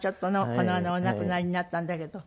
この間お亡くなりになったんだけど。